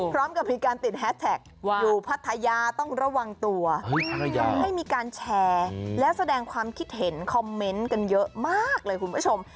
พร้อมกับมีการติดแฮสแท็กอยู่พัทยาต้องระวังตัวให้มีการแชร์และแสดงความคิดเห็นคอมเมนต์กันเยอะมากเลยคุณผู้ชม